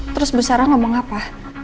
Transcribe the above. terus bu sarah ngomong apa